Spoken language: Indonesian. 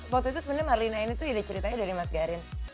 waktu itu sebenarnya marlina ini ceritanya dari mas garin